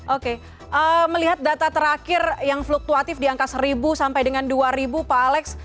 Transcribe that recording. oke melihat data terakhir yang fluktuatif di angka seribu sampai dengan dua ribu pak alex